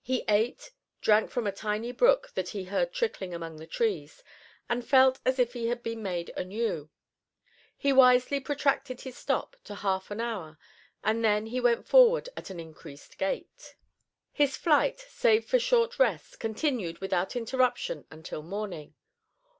He ate, drank from a tiny brook that he heard trickling among the trees, and felt as if he had been made anew. He wisely protracted this stop to half an hour and then he went forward at an increased gait. His flight, save for short rests, continued without interruption until morning.